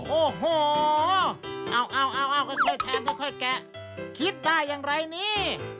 โอ้โหเอาคิดได้อย่างไรนี้